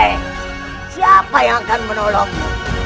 eh siapa yang akan menolongmu